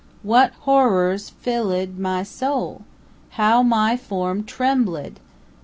What horrors fill ed my soul! How my form trembl ed!